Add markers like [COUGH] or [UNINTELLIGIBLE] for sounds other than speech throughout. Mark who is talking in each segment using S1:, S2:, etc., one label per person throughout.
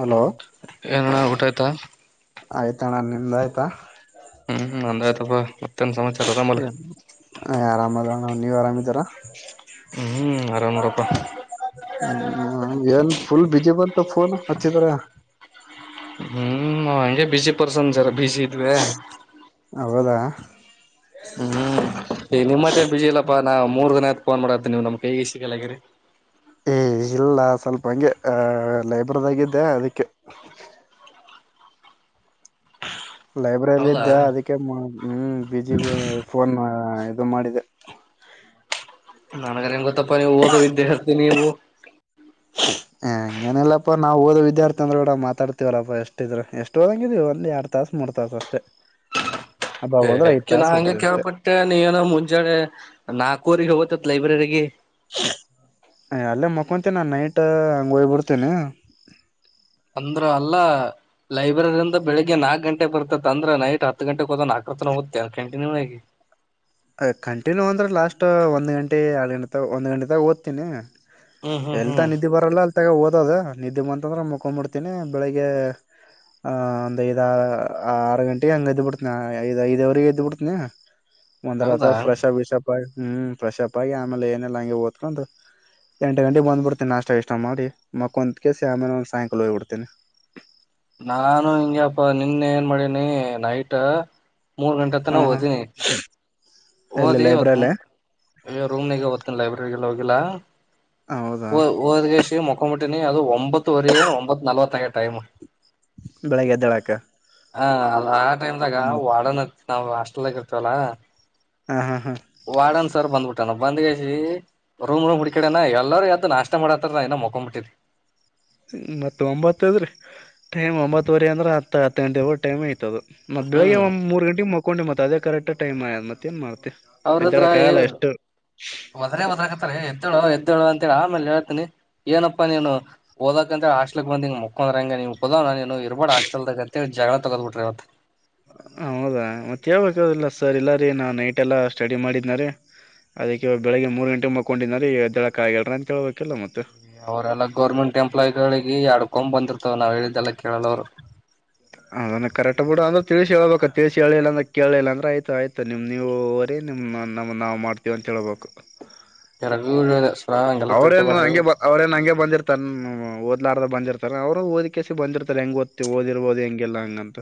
S1: Hello
S2: ಏನನ ಊಟ ಆಯ್ತಾ
S1: ಆಯ್ತಾ ನಾನ್ ನಿಂದ ಆಯ್ತಾ
S2: ಹ್ಮ್ ಅಂದಾಯ್ತಪ್ಪ ಮತ್ತ ಸಮ
S1: ಆರಾಮ್ದ ನ ನೀವ್ ಆರಾಮಿದಾರ
S2: ಹ್ಮ್ ಆರಾಮ್ ನೋಡಪ್ಪ
S1: ನ್ ಲ್ ಬಿಜಿ ಬಂದ ಫೋನ್ ಅಚ್ಚಿ ದ
S2: ಹ್ಮ್ ಹಗೆ ಬಿಸಿ ಪರ್ಸನ್ ಜರ ಬ್ಯುಸಿ ಇದ್ವೆ
S1: ಹೌದಾ
S2: ಹ್ಮ್ ಈ ನಿಮ್ಮತ್ತೇ ಬಿಜಿ ಇಲ್ಲಪ್ಪಾ ನಾ ಮೂರ್ ದನ ಫೋನ್ ಮಾಡತ್ತೆ ನೀವು ನಮ್ ಕೈಗೆ ಸಿಗಲ್ಲಗ್ರರಿ
S1: ಏ ಇಲ್ಲ ಸ್ವಲ್ಪ ಹಂಗೆ ಆ ಲೈಬ್ರರಿದಾಗಿದ್ದೆ ಅದಕ್ಕೆ ಲೈಬ್ರರಿ
S2: ಹೌದಾ
S1: ಇದ್ದ ಅದಕ್ಕೆ ಹ್ಮ ಬಿಜಿ ಫೋನ್ ಇದು ಮಾಡಿದೆ
S2: ನನ್ಗರಿ ನಿಮ್ ಗೊತ್ತಪ್ಪ ನೀವು ಓದ ವಿದ್ಯಾರ್ಥಿ ನೀವು
S1: ಹ ಹಂಗಏನ ಇಲ್ಲಪ್ಪ ನಾವುಓದೋ ವಿದ್ಯಾರ್ಥಿ ಅಂದ್ರರು ಕೂಡ ಮಾತಾಡ್ತಿವಲ್ಲಪ್ಪಾ ಎಷ್ಟಿದ್ರ ಎಷ್ಟು ಓದಂಗಿದವು ಲ್ಲಿ ಎರಡ್ ತಾಸ ಮೂರ್ ತಾಸ ಅಷ್ಟೇ ಅಬ್ಬ ಹೋದ್ರೆ ಐದ್
S2: ಹೆಕಿ ನಾ
S1: ತಾಸ
S2: ಹಂಗೆ
S1: ಓದ್ತೀವಿ ಅಷ್ಟೇ
S2: ಕೇಳ್ಪಟ್ಟೆ ನೀ ಏನೋ ಮುಂಜಾನೆ ನಾಲ್ಕವರಿಗೆ ಹತ್ತ ಲೈಬ್ರೆರಿಗೆ
S1: ಅಲ್ಲೇ ಮಕ್ತೇ ನಾನ್ ನೈಟ್ ಹಂಗ ಹೋಗ್ಬಿಡ್ತೇನೆ
S2: ಅಂದ್ರ ಅಲ್ಲಾ ಲೈಬ್ರರಿಯಂದ ಬೆಳಗ್ ನಾಕ್ ಗಂಟೆ ಬರ್ತತೆ ಅಂದ್ರೆ ನೈಟ್ ಹತ್ತು ಗಂಟೆಗೆ ಹೋದನ್ ಹಾಕತ ನವುದ ಕಂಟಿನ್ಯೂಯಗೆ
S1: ಅ ಕಂಟಿನ್ಯೂ ಅಂದ್ರೆ ಲಾಸ್ಟ್ ಒಂದ್ ಗಂಟೆ ಎರಡು ಗಂಟೆ ಒಂದ್ ಗಂಟೆದಾಗ ಓದ್ತೀನಿ
S2: ಹ್ಮ್ ಹ್ಮ್
S1: ಎಲ್ತ
S2: ಹ್ಮ್
S1: ನಿದ್ದೆ ಬರಲ್ಲ ಅ ತ್ತಗ ಓದದ ನಿದ್ದೆ ಬಂತಂದ್ರೆ ಮುಕೊಂಡ್ಂಬಿಡ್ತೀನಿ ಬೆಳಿಗ್ಗೆ ಆ ಒಂದ್ ಐದ ಆರು ಗಂಟೆಗೆ ಹಂಗ ಎದ್ದ್ ಬಿಡ್ತನಿ ಐ ಐದ್ವರೆಗೆ ಎದ್ದ್ಬಿಡ್ತನಿ ಒಂದರ
S2: ಹೌದಾ
S1: ಫ್ರೆಶಪ್ ವಿಶಪ್ ಆಗಿ ಹ್ಮ್ ಫ್ರೆಶಪ್ ಆಗಿ ಆಮೇಲೆ ಏನೆಲ್ಲ ಹಂಗೆ ಓದ್ಕೊಂಡು ಎಂಟು ಗಂಟೆ ಬಂದ್ ಬಿಡ್ತೀನ ನಾಷ್ಟ ಇಷ್ಟ ಮಾಡಿ ಮಕ್ಕೊಂದ ಕ ಕೆಸಿ ಆಮೇಲೆ ಒಂದ ಸಾಯಂಕಾಲ ಹೋಗ್ಬಿಡ್ತಿನಿ [UNINTELLIGIBLE]
S2: ನಾನು ಹಿಂಗಪ್ಪ ನಿನ್ನ ಏನ್ ಮಾಡಿನಿ ನೈಟ್ ಮೂರ್ ಗಂಟೆ
S1: ಹಾ
S2: ತನ
S1: ಹಾ
S2: ಹೋದನಿ
S1: ಎಲ್ಲಿ
S2: ಹಓದ್
S1: ಲೈಬ್ರರಿಲೆ
S2: ಇವತ್ತುತ್ ಈಗ ರೂಮ್ನಿಗೆಓತ್ತಿನ ಲೈಬ್ರಲ್ಲಿ ಹೋಗಿಲ್ಲಾ
S1: ಹೌದಾ
S2: ಹ ಹದಗೇಶ ಮುಖಮಟ್ಟ ನೀ ಅದು ಒಂಬತ್ತುವರೆ ಏನು ಒಂಬತ್ತು ನಲ್ವತ್ತಂಗ ಟೈಮ್
S1: ಬೆಳಗ್ಗೆ ಎದ್ದೇಳಾಕ
S2: ಹ ಅದ ಆ ಟೈಮ್ದಾಗ
S1: ಮತ್
S2: ವಡೋನ್ ನಾವು ಅಸ್ಟಲ್ದಾಗ ಇರ್ತವಲ್ಲ
S1: ಹಾ ಹಾ ಹಾ
S2: ವಾಡನ್ ಸರ್ ಬಂದ್ಬಿಟ್ಟಾನ ಬಂದ್ಗಸಿ ರೂಮ್ ರೂಮ್ ಹಿಡ್ಕಡನ ಎಲ್ಲಾರೂ ಯದ್ದು ನಾಷ್ಟ ಮಾಡತಾರ ಇ ಮೊಕೊಬಿಟ್ಟಿದ್ದೀನಿ
S1: [UNINTELLIGIBLE] ಮತ್ತ ಒಂಬತ್ತ ಅದ್ರೆ ಟೈಮ್ ಒಂಬತ್ತುವರೆ ಅಂದ್ರ ಹತ್ತ ಹತ್ತು ಗಂಟೆವಳ ಟೈಮ್ ಇಐತದು ಮತ್ತ ಬೆಳಿಗ್
S2: ಹ್ಮ್
S1: ಒಂದ ಮೂ ಗಂಗೆ ಮಕೊಂಡಿ ಮತ್ತ ಅದೇ ಕರೆಕ್ಟ್ಮ್ ಆಯ ಮತ್ತ್ ಏನ್ ಮಾಡ್ತಾರೆ
S2: ಅವ್ರದ್ರ ಮದ್ರ ಮದ್ ಹತಾರ ಎು [UNINTELLIGIBLE] ಎದ್ದಳು ಅಂತ ಹೇಳಿ ಆಮೇಲೆ ಹೇಳ್ತಿನನಿ ಏನಪ್ಪಾ ನೀನು ಓದಕ್ ಅಂತ ಹೇಳಿ ಹಾಸ್ಟ್ಲಿಕ್ ಬಂದಿಂಗ ಮುಕ್ಕೊಂಡಂದ್ಂಗ ನೀ ಹೋದ್ ನ ಏನು ಇರ್ಬಾ ಹ ಆಸ್ಟೆಲ್ದ ಜತೆ ಜಗಳ ತಗದ್ ಬಿಟ್ರಿ ಇವತ್
S1: ಹೌದಾ ಮತ್ತೆ ಯಾವಬೇಕಿಲ್ಲ ಸರ್ ಎಲ್ಲಾರಿ ನಾ ನೈಟ್ ಎಲ್ಲ ಸ್ಟಡಿ ಮಾಡಿದನಾರೀ ಅದಕ್ಕೆ ಬೆಳಗ್ಗೆ ಮೂರು ಗಂಟೆಗೆ ಮಕ್ಕೊಂಡನೀ ಹೆಬ್ಬಾಳಕ್ಕೆ ಆಗಲ್ಲರ ಅಂತೇಳ್ಬೇಕಲ್ಲ ಮತ್ತು
S2: ಅವರೆಲ್ಲಾ ಗೋರ್ಮೆಂಟ್ ಎಂಪ್ಲಾಯಿಗಳಿಗೆ ಆಡ್ಕೊಂಡ್ ಬಂದಿರ್ತವ ನಾವ್ ಹೇಳಿದ್ದೆಲ್ಲ ಕೇಳಲ್ಲ ಅವ್ರು
S1: ಅದನ್ನ ಕರೆಕ್ಟ್ ಬಿಡ ಅಂದ್ರೆ ತಿಳಿಸಿ ಹೇಳೇಳ್ಬೇಕಾ ತಿಳಿಸಿ ಹೇಳಿಲ್ಲ ಅ್ರ ಕೇಳಲಿಲ್ಲ ಅಂದ್ರ ಆಯತ ಆಯ್ತು ನಿಮ್ ನೀವು ನಿಮ್ಮ ನಮ್ಮ ನಾವು ಮಾಡ್ತೀವಿ ಅಂತ ಹೇಳೇಳ್ಬೇಕು
S2: ಇರಗ ಕುದ [UNINTELLIGIBLE]
S1: ಅವ್ರೇನು ಹಂಗೆ ಬ ಅವ್ರೇನ್ ಹಂಗೆ ಬಂದಿರ್ ತನ್ ಎಲ್ಲಾರ ಬಂದಿರ್ತಾರ ಅವರು ಓದಿಕಕಸ ಬಂದಿತಾರೆ ಹೆಂಗ ಓದ್ತಿ ದಿರ್ಹದು ಹೆಂಗಿಲ್ಲಲ್ಲ ಹಂಗ ಅಂತ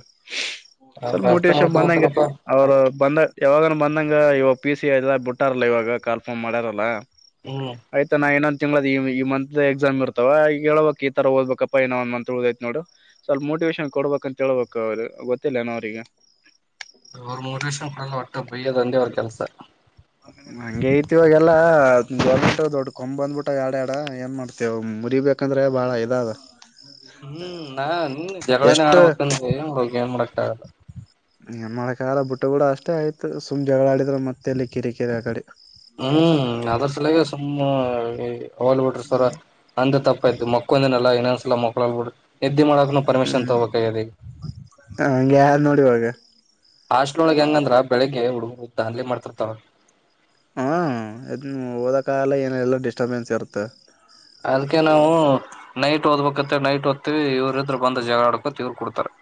S1: ಸ್ವಲ್ಪ
S2: ಅವ್ರು ಅರ್ಥ
S1: ಮೋಟಿವೇಶನ್ ಬಂದಂ
S2: ಮಾಡ್ಕೊಬೇಕಲ್ಲಪ್ಪಾ
S1: ಅವರು ಬಂದಾಗ ಯಾವಾಗ ಬಂದಂಗ ಇವಾಗ ಪಿ ಸಿ ಅ ಬಿಟ್ಟಾರಲ್ಲಾ ಇವಾಗ ಕಾಲ್ಫಾರ್ಮ್ ಮಾಡ್ಯಾರಲ್ಲಾ
S2: ಹ್ಮ್
S1: ಆಯ್ತ ನಾ ಇನ್ನೊಂದ ತಿಂಗಳು ಈ ಮಂತ್ ಎಕ್ಸಾಮ್ ಇರ್ತವ ಹ ಹೇಳಳ್ಬೇಕಕ್ ಈ ತರ ಓದ್ಬೇಕಪ್ಪಾ ಇನ್ನ ಒಂದ ಮಂತ್ ಉಳದೈ್ತ್ ನೋಡು ಸ್ವಲ್ಪ ಮೋಟಿವೇಶನ್ ಕೊಡ್ಬೇಕಂತ ಹೇಳ್ಬೇಕ ಅವ್ರ ಗೊತ್ತಿಲ್ಲನ ಅವ್ರಗೆ
S2: ಬಯ್ಯದೊಂದೇ ಅವರ್ ಕೆಲಸ
S1: [UNINTELLIGIBLE] ಹಂಗಗೆ ಐತಿವಾಗೆಲ್ಲಾ ಗೋರ್ಮಂಟ್ ದೊಡ್ಡ ಕೊಂಬ್ ಬ್ಬಿಟ್ಟ ಎಡ್ಯಾಡ ಏನ್ ಮಾಡ್ತೇವ ಮುರಿಬೇಕ ಅಂದ್ರೆ ಭಾಳ ಇದಾಗ
S2: ಹ್ಮ್ ನಾ ನಿನ್ ಜಗಳನ
S1: ಎಷ್ಟು
S2: ಆಡ್ಬೇಕಂದ್ರ ಏನ್ ಹೋಗ ಏನ್ ಮಾಡ ಆಗಲ್ಲ
S1: ನಿಮ್ಮಳ ಕಾಲ ಬುಟ್ಟ ಕೂಡ ಅಷ್ಟೇ ಆಯ್ತು್ ಜಗಳ ಆಡಿದ್ರೆ ಮತ್ತೆ ಎಲ್ಲಿ ಕಿರೆಕಿರೆ ಆ ಕಡೆ
S2: ಹ್ಮ್ ಅದ್ರ ಸಲಾಗ ಸುಮ್ಮ ಹೋಲ್ಬ ಬಿಟ್ರರು ಸವರ ಅಂದ ತಪ್ಪಾಯಯ್ು ಮಕ್ಕೊಂದೇನಲ್ಲಾ ಇನ್ನೊಂದಸಲಾ ಮಕ್ಳು ಹೊಲ್ ಬಿಿ್ರರು ಎದ್ದಿ ಮಾಡಕ ನ ಪರ್ಮಿಷನ್
S1: ಹ್ಮ್
S2: ತಗೋಬೇಕಾಗಿದೆ
S1: ಹಂಗೆ ಆದ್ ನೋಡಿ ಇವಾಗ
S2: ಆಸ್ಟ್ರೋಳಗೆ ಹೆಂಗಂದ್ರ ಬೆಳಗ್ ಹುಡುಗರು ಅಲ್ಲಿ ಮಾಡ್ತಿರ್ತವ
S1: ಹಾ ಹೋದ ಕಾಲ ಏನಲ್ಲ ಡಿಸ್ಟರ್ಬೆನ್ಸ್ ಇರುತ್ತೆ
S2: ಅದಕ್ಕೆ ನಾವು ನೈಟ್ ಓದ್ಬೇಕತ್ತ ನೈಟ್ ಓ್ತವಿ ಇವ್ರ ಇದರು ಬಂದ ಜಗಳ ಆಡ್ಕೊ ಇವ್ ಕೊಡ್ತಾರೆ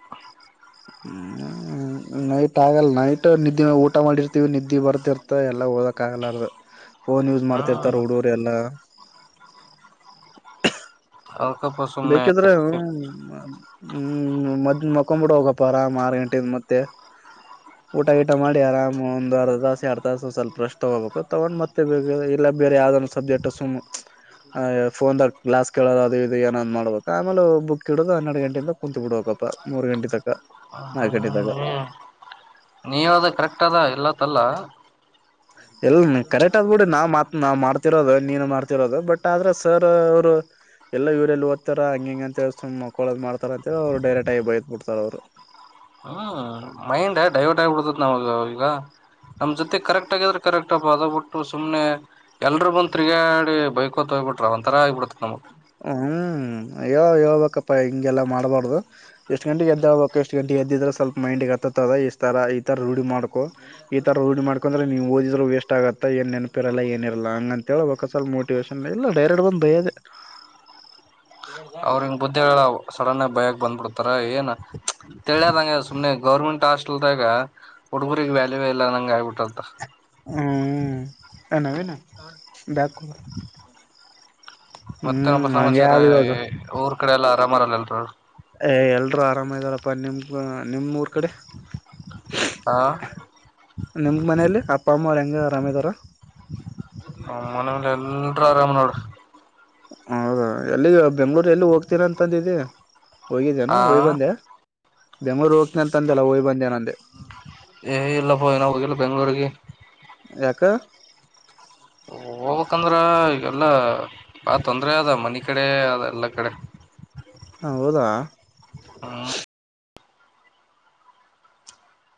S1: ಹ್ಮ್ ನೈಟ್ ಆಗಲ್ಲ ನೈಟ್ ನಿದ್ದೆ ಊಟ ಮಾಡಿರ್ತೀವಿ ನಿದ್ದೆ ಬರ್ತಿರ್ತ ಎಲ್ಲ ಓದಕ್ಕ ಆಗಲ್ಲಾರ ಫೋನ್ ಯೂಸ್ ಮಾಡ್ತಿರ್ತಾರೆ
S2: ಹ್ಮ್
S1: ಹುಡುೋರೆ ಎಲ್ಲ
S2: ಅದಕಪ್ಪ ಸುಮ್ನೆ
S1: ಬೇಕಿದ್ರೆ ಮತ್ ಮಲ್ಕೊಂಡ್ ಬಿಡುಹೋಗಿ ಆರಾಮಾಗಿ ಮತ್ತೆ ಊಟ ಗೀಟ ಮಾಡಿ ಆರಾಮ್ ಒಂದ್ ಅರ್ಧ ದಾಸ ಎರ ತಾಸ ಸ್ವಲ್ಪ ರಷ್ಟ್ ತೊಗೋಬೇಕು ತಗೊಂಡ್ ಮತ್ತೆ ಬಲ್ಲ ಬೇರೆ ಯಾವ್ದದ ಸಬ್ಜೆಕ್ಟ್ ಸುಮ್ ಫೋನ್ ಕ್ಲಾಸ್ ಕೇಳೋದ ಅದು ಇ ಏನಾದ್ ಮಾಡಬೇಕ ಆಮೇಲೆ ಬುಕ್ ಇಡುದು ಹನ್ನೆರ ಗಂಟಿಂದ ಕುೂತ್ ಬಿಡ್ಬೇಕಪ್ಪ ಮೂರ್ ಗಂಟೆ ತಕ್
S2: ಹ ನೀ ನೀ ಹೇಳೋದು ಕರೆಕ್ಟ್ ಅದ ಇಲ್ಲತ್ತಲ್ಲ
S1: ಇಲ್ಲ ಕರೆಕ್ಟ್ ಆದಬಿಡು ನಾವ್ ಮಾತ್ ನಾವ ಮಾಡ್ತಿರೋದು ನೀನು ಮಾಡ್ತಿರೋದು ಬಟ್ ಆದ್ರೆ ಸರ್ ಅವರು. ಇಲ್ಲ ಇವರೆಲ್ಲಿ ಓದ್ತಾರ ಹ ಹೆಂಗ ಅಂತ ಹೇಳ ಮಕ್ಕಳದ್ ಮಾಡ್ತಾರ ಅಂತ ಹೇಳ ಅವರು ಡೈರೆಕ್ಟ್ ಆಗಿ ಬೈದ ಬಿಡ್ತಾರ ಅವ್ರು.
S2: ಹ್ಮ್ ಮೈಂಡ್ ಡೈವರ್ಟ್ ಆಗಿಬಿಡ್ತತ್ ನಾವ ಈಗ ನಮ್ ಜೊತೆ ಕರೆಕ್ಟ್ ಆಗಿದ್ರ ಕರೆಕ್ಟ್. ಅದ್ಬಬಿಟ್ಟು ಸುಮ್ಮನೆ ಎರರು ಬಂದ್ ತಿರುಗಾಡಿ ಬೈಕ ಹೊತ್ತ ಹೋಗ್ಬ ಬಿಟ್ರ ಒಂ ತರ ಆಗ್ಬಿಡತೆ ನಮ್ಗ.
S1: ಹ್ಮ್ ಯ ಹೋಗಬೇಕಪ್ಪಾ ಹಿಂಗೆಲ್ಲಾ ಮಾಡ್ಬಾರ್ದು ಎಷ್ಟ್ ಗಂಟೆಗೆ ಎಗೆದ್ದೋಗಬೇಕು ಎಷ್ಟ್ ಗಂಟೆಗ. ಎದ್ದಿದ್ರೆ ಸ್ವಲ್ಪ ಮೈಂಡ್ಗೆ ಹತ್ತತ್ದ ಇ ತರ ಈ ತರ ರೂಢಿ ಮಾಡ್ಕು ಈ ತರ ರೂಢಿ ಮಾಡ್ಕೊಂಡಂದ್ರೆ ನೀವು ಓದಿದ್ರರ. ವೇಸ್ಟ್ ಆಗತ್ತ ಏನ್ ನೆನಪಿರಲ್ಲ ಏನ ಇರಲ್ಲ ಹಂಗಂತೇಳ ಬಲ್ ಮೋಟಿವೇೇಶನ್ ಇಲ್ಲ ಡೈರೆಕ್ಟ್ ಬಂದು ಭಯದೆ.
S2: ಅವ್ರಿಂಗ್ ಬುದ್ದಿ ಹೇಳ ಸಡನ ಆಗಿ ಭಯಕ್ ಬಂದ್ಬಿಡ್ತಾರ. ಏನ ತಿಳಿಯಲಾರದಂಗ ಸುಮನೆ ಗೌರ್ಮೆಂಟ್ ಆಸ. ಹಾಸ್ಟೆಲದಾಗ ಹುಡುಗುರಿಗೆ ವ್ಯಾಲವೆ ಈಲ್ಲರದಂಗ ಆಗಬಿಟ್ಟದ.
S1: ಹ್ಮ ಏ ನವೀನ್ ಬ್ಯಾಗ್ ಕೊಡು.
S2: ಮತ್ತೆ ಏನಪ
S1: ಹ್ಮ್ ಹಂಗೆ
S2: ಸಮಾಚಾರ
S1: ಆದ ಇವಾಗ
S2: ಊರ್ ಕಡೆ ಎಲ್ಲ ಅರಾಮಾರಲ್ಲ ಎಲ್ಲರೂ.
S1: ಏ ಎಲ್ರೂ ಆರಾಮ ಇದ್ದಾರಪ್ಪಾ ನಿಮ್ಗ ನಿಮ ಊರ್ ಕಡೆ.
S2: ಹಾ.
S1: ನಿಮ್ ಮನೇಲಿ ಅಪ್ಪ ಅಮ್ಮ ಅವರಾ ಹೆಂಗ ಅರಾಮದರ.
S2: ಮನೆಲಿ ಎಲ್ಲರು ಆರಾಮನೋಡು.
S1: ಹೌದಾ ಎಲ್ಲಿ ಬೆಂಗ್ಳೂರ್ ಎಲ್ಲಿ ಹೋಗ್ತೀನೀ ಅಂದಿದ್ದಿ.
S2: ಹ
S1: ಹೋಗಿದ್ದೇನು ಒಯ್ ಬಂದೆ ಬೆಂಗಂಳೂರು ಹೋಗ್ತನ ಅಂತಂದಲ್ಲ ಓಯ್ ಬಂದೆನ ಅಂದೇ.
S2: ಏ ಇಲ್ಲಪ ಇನಾ ಹೋಗಿಲ್ಲ ಬೆಂಗ್ಳೂರಿಗಿ.
S1: ಯಾಕ.
S2: ಹೋಗಬೇಕಂದ್ರ ಈಗಲ್ಲ ಬಾಳ ತೊಂದರೆ ಅದ ಮನೀ ಕಡೆ ಅದ ಎಲ್ಲಾ ಕಡೆ.
S1: ಹೌದಾ.
S2: ಹಾ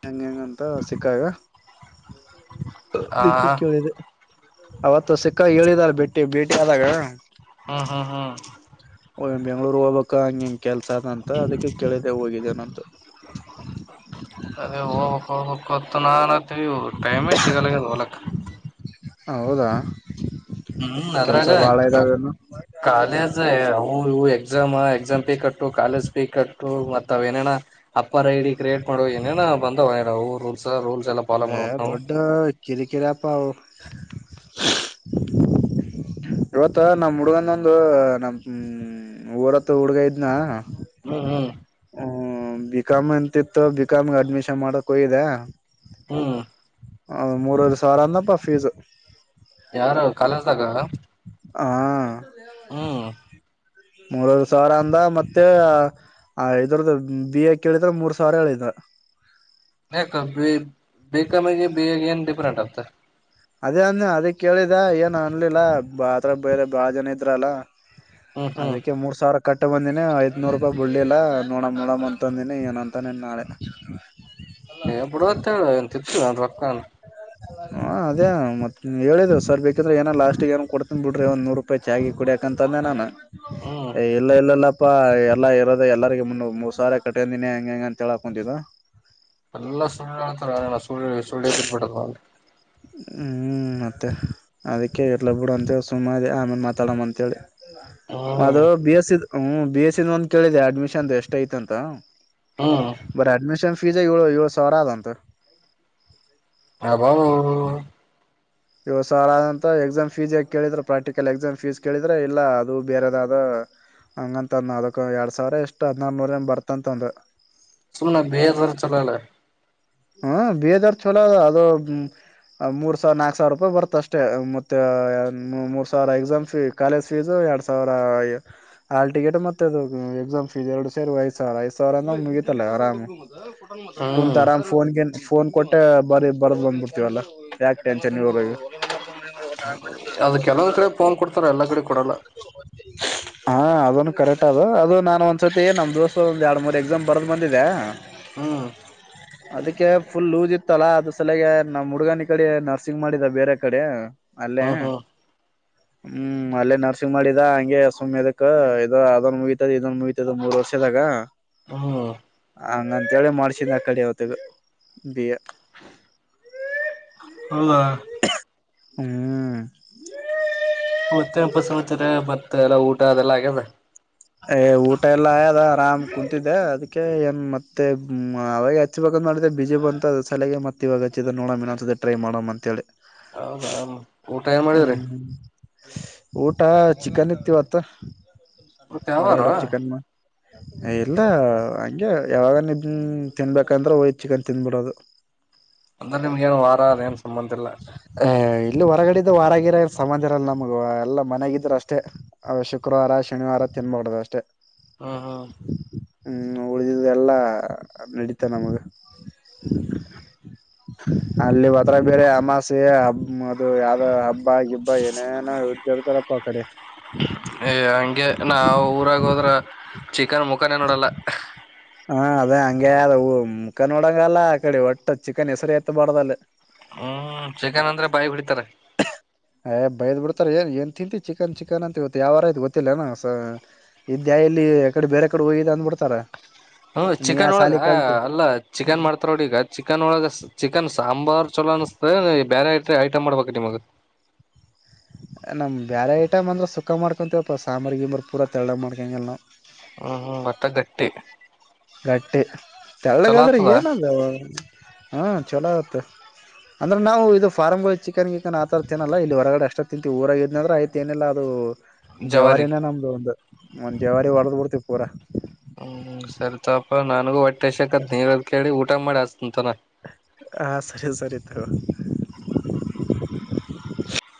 S1: ಹೆಂಗ ಹೆಂಗಂತ ಸಿಕ್ಕಾಗ
S2: ಆ
S1: ದಿಕ್ಕಿ ಕೇಳಿದೆ. ಅವತ್ತ ಸಿಕ್ಕಗ ಹೇಳಿದಾರ ಭೇಟಿ ಭೇಟಿ ಆದಾಗ.
S2: ಹ್ಮ್ ಹ್ಮ್ ಹ್ಮ್.
S1: ಓ ಬೆಂಗಳೂರ್ ಹೋಗಬೇಕ ಹಂಗ ಇಂಗ ಕೆಲ್ಸ ಅದಂತ ಅದಕ್ಕೆ ಕೇಳಿದೆೆ ಹೋಗಿದ್ದೇನಂತ.
S2: ಅದೇ ಹೋಗಬೇಕ ಹೋಗಬೇಕ ಅಂತ ನಾನ ಅಂತೀನಿ ಟೈಮೇ ಸಿಗಲ್ಲ ಆಗ್ಯದ ಹೋಲಕ್ಕ.
S1: ಹೌದಾ.
S2: ಹ್ಮ್
S1: ಕೆಲ್ಸ
S2: ಅದ್ರಾಗ
S1: ಬಾಳ ಇದಾವೇನು
S2: ಕಾಲೇಜ ಹವು ಇವು. ಎಕ್ಸಾಮ್ ಎಕ್ಸಾಮ ಪೀ ಕಟ್ಟು ಕಾಲೇಜ. ಪೀ ಕಟ್ಟು ಮತ್ತ ಅವ ಏನೇನ ಅಪ್ಪರ್ ಐಡಿ ಕ್ರಿಯೇಟ್ ಮಾಡೋ ಏನನಾ ಬಂದವ ರೂಲ್ಸ್ ರೂಲ್.
S1: ಏ ದೊಡ್ಡ ಕಿರಿ ಕಿರಿ ಅಪಾ ಆವ. ಇವತ್ತ ನಮ್ ಹುಡ್ಗನೊಂದು ನಮ್ ಹ ಊರತ್ ಹುಡ್ಗ ಇದ್ನ.
S2: ಹ್ಮ್ ಹ್ಮ್
S1: ಹ್ಮ ಬಿಕಾಮ್ ಎಂತಿತ್ತು ಬಿಕಾಮ್ ಅಡ್ಮಿಷನ್ ಮಾಡಕ್ ಹೋಗಿದೆ.
S2: ಹ್ಮ್.
S1: ಹ ಮೂರಿವರಿ ಸಾವಿರ ಅಂದಪ್ಪ ಫೀಸ್.
S2: ಯಾರು ಅವರು ಕಾಲಜ್ದಾಗ.
S1: ಹಾ.
S2: ಹ್ಮ್.
S1: ಮೂರವರಿ ಸಾವಿರ ಅಂದ ಮತ್ತೆ ಇದರ್ದ ಬಿ ಎ ಕೇಳಿದ್ರ ಮೂರ್ ಸಾವಿರ ಹೇಳಿದ. [INAUDIBLE]
S2: ಯಾಕ್ ಬಿ ಬಿಕಾಂ ಮಿಗಿ ಬಿ ಎ ಏನು ಡಿಫರೆಂಟ್ ಅಂತ.
S1: ಅದೇ ಅಂದ್ನೆ ಕೇಳಿದ ಏನ್ ಅನ್ಲಿಲ್ಲ ಅದರಾಗ ಬೇರೆ ಬಾಳ ಜನ ಇದ್ರಲ್ಲ.
S2: ಹ್ಮ್ ಹ್ಮ್
S1: ಅದಕ್ಕೆ ಮೂರ್ ಸಾವಿರ ಕಟ್ಟ. ಬಿಟ್ಟ ಬಂದಿನಿ ಐದುನೂರು ರೂಪಾಯಿ ಬಿಡಲಿಲ್ಲ ನೋಡ್ ನೋಡಮ ಅಂತಂದಿನಿ ಏನ ಅಂತಾನೇನು ನಾಳೆ.
S2: ಹೆ ಬಿಡುವಂತಹೇಳು ಏನ ತಿಂತೀವಿ ರೊಕ್ಕ ಏನ.
S1: [INAUDIBLE] ಹ ಅದೇ ಮತ್ ಹೇಳಿದ್ ಸರ್ ಬೇಕಂದ್ರೆ ಏನೋ ಲಾಸ್ಟ್ ಏನೋ ಕೊಡ್ತೀನಿ ಬಿಡ್ರಿ ಒಂದ ನೂರು ರೂಪಾಯ ಚಾ ಗಿ ಕುಡಿಯಕ ಅಂತ ನಾನು.
S2: ಹ್ಮ್
S1: ಎ ಇಲ್ಲ ಇಲ್ಲ ಇಲ್ಲ. ಇಪ್ಪ ಎಲ್ಲಾ ಇರೋದ ಎಲ್ಲರಿಗ ಮು ಮೂರ್ ಸಾರ ಕಟ್ಟ್ಯಂದಿನಿ ಹೆಂಗ ಹೆಂಗ ಅಂತ ಹೇಳಕ್ ಕುಂತಿದಿದ್ದು
S2: ಎಲ್ಲಾ ಸುಳಲುತ್ತ ಸೂ ಸುಳ ಪಂಪಟ್ಟದೆ
S1: ಹ್ಮ್ ಮತ್ತೆ ಅದಕ್ಕೆ ಇರ್ಲ ಬಿಡು ಅಂತೇಳಿ ಸುಮ್ಮ ಇದೆ ಆಮೇಲೆ ಮಾತಾಡಮ್ಮ ಅಂತೇಳಿ
S2: ಹ್ಮ್
S1: ಅದು ಬಿ ಎಸ್ದ್ ಹ್ಮ ಬಿ ಎಸ್ಸಿದ ಒಂದ ಕೇಳಿದೆ ಅಡ್ಮಿಷನ್ ಎಷ್ಟ ಐತ ಅಂತ
S2: ಹ್ಮ್
S1: ಬರ ಡ್ಮಿಶನ್ ಫೀಜ ಏ ಏಳು ಸಾವರ ಆದ್ದ ಅಂತ
S2: ಹಬ
S1: ಇವ ಸಾರ್ ಆದಂತ ಎಕ್ಸಾಮ್ ಫೀಸ್ ಯ ಕೇಳಿದ್ರರು ಪ್ರಾಕ್ಟಿಕಲ್ ಎಕ್ಸಾಮ್ ಫೀಸ್ ಕೇಳಿದ್ರೆ ಇಲ್ಲ ಅದು ಬೇರೆದಾದ ಹಂಗಂತಂದ ಅದಕ್ಕ ಎರಡ್ ಸಾವಿರ ಎಷ್ಟ್ ಹದ್ರನೂರ ಏನ್ ಬರ್ತಂತಂದ
S2: ಸುಮನೆ ಬೇಜರ ಚಲಲ್ಲ
S1: ಹಾ ಬಿ ಹದಾರ ಚೋಲ ಅದು ಮೂರ್ ಸಾವಿರ ನಾಕಕ್ ಸಾವಿರ ರೂಪಾಯಿ ಬರ್ತ ಅಷ್ಟೇ ಮತ್ತೆ ಮೂರ್ ಸಾವಿರ ಎಕ್ಸಾಮ್ ಫೀ ಕಾಲೇಜ್ ಫೀಸ್ ಎರಡ್ ಸಾವಿರ ಆಲ್ ಟಿಕೆಟ್ ಮತ್ತೆದು ಎಕ್ಸಾಮ್ ಫೀಸ್ ಎರಡು ಸೇರ್ ಐ್ ಸಾವಿರ ಐದು ಸಾವಿರ ಅಂದ ಮುಗ ಲ್ಲ ಆರಾಮ ಕುಂತ
S2: ಹ್ಮ್
S1: ಆರಾಮ ನ್ ಫೋನ್ ಕೊಟ್ಟ ಬಾರಿ ಬರದ್ ಬಂದ್ಬಿಡ್ತವಲ್ಲಾ ಯಾೆ ಟೆನ್ಷನ್ ಇರೋಗೆ
S2: ಅದ ಕೆಲ್ಲೊಂದ್ ಕಡೆ ಫೋನ್ ಕೊಡ್ತಾರ ಎಲ್ಲಾ ಕಡೆ ಕೊಡಲ್ಲ
S1: ಅದ ಕರೆಕ್ಟ್ ಅದು ಅದು ನಾನನ್ ಒಂದ್ಸತಿ ನಮ್ ದಿವಸ ಒಂದ ಎರಡು ಮೂರ್ ಎಕ್ಸಾಮ್ ಬರದ್ ಬಂದಿದೆೆ
S2: ಹ್ಮ್
S1: ಅದಕ್ಕೆ ಫುಲ್ ಲೂಸ್ ಇತ್ತಲ್ಲಾ ಅದ ಸಲಯಾಗ ನಮ್ಮ್ ಹುಡ್ಗನಿ ಕಡೆ ನರ್ಸಿಂಗ್ ಮಾಡಿದ ಬೇರೆ ಕಡೆ ಅಲ್ಲಿೇ
S2: ಹ್ಮ್ ಹ್ಮ್
S1: ಹ್ಮ್ ಅಲ್ಲೇ ನರ್ಸಿಂಗ್ ಮಾಡಿದ ಹಂಗೆ ಸುಮ್ಮ್ ಅದಕ್ ಇ ಅದನ್ ಮುಗತದ ಇದನ್ ಮುಗತದ ಮೂರ್ ವರ್ಷ ದಾಗ
S2: ಹ
S1: ಹಂಗಂತೇಳಿ ಮಾಡ್ಸಿದ ಆ ಕಡೆವತ್ತು ಬ
S2: ಹೌದ
S1: ಹ್ಮ್
S2: ತ್ತಪಸತ್ತರ ಮತ್ತ ಎಲ್ಲಾ ಊಟ ಅದೆಲ್ಲ ಆಗ್ಯದ
S1: ಏ ಊಟ ಎಲ್ಲ ಆಯದ ಆರಾಮ್ ಕುೂಂತಿದ್ದೆ ಅದಕ್ಕೆ ಏನ್ ಮತ್ತೆ ಅವಾಗ ಹಚ್ಬೇಕಂದ ಮಾಡಿದೆ ಬ ಬಿಸಿ ಬಂತ ಅ ಸಲಗೆ ಮತ್ತ ಇವಾಗ ಹಚ್ಚಿದ ನೋಡನ್ ಟೈ ಮಾಡೋ ಅಂತ ಹೇಳಿ
S2: ಹೌದಾ ಊಟ ಏ ಮಾಡಿದ್ರಿ
S1: ಊಟ ಚಿಕನ್ ಇತಿವತ್ತ
S2: ಮತ್ತ ಯಾವಾರ
S1: ಹೊರಗಡೆ ಚಿಕನ್ ಇಲ್ಲ ಹಂಗೆ ಯಾವಾಗ ತಿನ್ಬೇಕಂದ್ರೆ ಒಯ್ ಚಿಕನ್ ತಿನ್ಬಿಡೋದು
S2: ಅಂದ್ರೆ ನಿಮ್ಗೇಏನು ವಾರ ಅ ಏನು ಸಂಬಂಧ ಇಲ್ಲ
S1: ಏ ಇಲ್ಲಿ ಹೊರಗಡೆದ್ದ ವಾರಾಗಿರ ಸಮಂಧರಲ್ಲ ನಮಗ ಎಲ್ಲ ಮನೆಗಿದ್ರರು ಅಷ್ಟೇ ಶುಕ್ರವಾರ ಶನಿವಾರ ಚೆ ಮಾಡಡದ ಅಷ್ಟೇ
S2: ಹಾ ಹಾ
S1: ಹ್ಮ್ ಉಳಿದಿದ ಎಲ್ಲಾ ನಡೀತ ನಮಗ ಅಲ್ಲಿ ಹದ್ರ ಬೇರೆ ಅಮಾಸೆ ಹಬ್ ಅದು ಯಾವ್ದ ಹಬ್ಬ ಬಿಬಾಯ ಏನನ ಹಡ್ತೇರ್ತಾರಪ್ಪ ಆ ಕಡೆ
S2: ನಾ ಊರಾಗ ಹೋದ್ರ ಚಿಕನ್ ಮುಖಾನೇ ನೋಡಲ್ಲ
S1: ಹಾ ಅದೇ ಹಂಗಗೆ ಅದೂ ಮುಖ ನೋಡಂಗಲ್ಲ ಆ ಕಡೆ ಒಟ್ಟ ಚಿಕನ್ ಹೆಸರು ಎತ್ತ ಬಾರ್ದಲ್
S2: ಹ್ಮ್ ಚಿಕನ್ ಅಂದ್ರೆ ಬಾಯಿ ಬಿಡಿತಾರೆ
S1: ಯ್ ಬೈಯದ್ ಬಿಡ್ತಾರೆ ಏನ್ ಏನ್ ತಿಂತ ಚಿಕನ್ ಚಿಕನ್ ಅಂತ ಗೊತ್ತ ಯಾವಾರ ಇದು ಗೊತ್ತಿಲ್ಲ ನ ಇದ ಇಲ್ಲಿ ಕಡೆ ಬೇರೆ ಕಡೆ ಹೋಗಿದೆ ಅಂದ್ಬ ಬಿಡ್ತಾರ
S2: ಹ್ಮ ಚಿಕನ್ ಒಳಗ ಅಲ್ಲ ಚಿಕನ್ ಮಾಡ್ತಾರೋಡಿ ಈಗ ಚಿಕನ್ ಒಳಗ ಚಿಕನ್ ಸಾಂಬಾರ್ ಚಲೋ ಅನಸ್ತ ಬೇರೆ ಐ ಐಟಮ್ ಮಾಡ್ಬೇಕ ನಿಮಗ್
S1: ನಮ್ಮ ಬೇರೆ ಐಟಮ್ ಅಂದ್ರ ಸುಖ ಮಾಡ್ಕೊಳ್ತೀವಪ್ಪ ಸಾಮ್ರಿಗೆಬ್ರಿ ಪೂರ ತೆಳ್ಳಳ ಮಾಡ್ಕೊಂಗಲ್ಲ ನಾವು
S2: ಹ್ಮ್ ಹ್ಮ್ ಭತ್ತ ಗಟ್ಟಿ
S1: ಗಟ್ಟಿ
S2: ಚಲೋ
S1: ತಳ್ಳಗಾದ್ರೆ
S2: ಆತದ
S1: ಏನದ ಹಾ ಚಲೋ ಆತ್ತು ಅಂದರೆ ನಾವು ಇದು ಫಾರ್ ಹ ಚಿಕನ್ ಕಿಕನ್ ಆ ಥರ ತಿನ್ನಲ್ಲ ಇಲ್ಲಿ ಹೊರಗಡೆ ಎಷ್ಟು ತಿಂತೀವಿ ಊರಾಗಿದ್ನಂದ್ರೆ ಆಯತು ಏನಿಲ್ಲ ಅದು
S2: ಜವಾರಿ
S1: ಜವಾರಿನೇ ನಮ್ದು ಒಂದು ಒಂದ್ ಜವಾರಿ ಹೊಡೆದ್ ಬಿಡ್ತೀವ್ ಪೂರಾ.
S2: ಹ್ಮ್ ಸರಿತಪಾ ನನ್ಗೂ ಹೊಟ್ಟೆ ಎಸಕತ್ ನೀದ ಕೇಳಿ ಊಟ ಮಾಡಿ ಅಸತಂತನ.
S1: ಹಾ ಸರಿ ಸರಿ ತ.